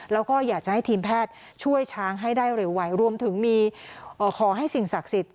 แล้วก็อยากจะให้ทีมแพทย์ช่วยช้างให้ได้เร็วไวรวมถึงมีขอให้สิ่งศักดิ์สิทธิ